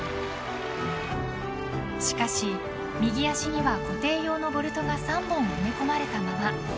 しかし右足には固定用のボルトが３本埋め込まれたまま。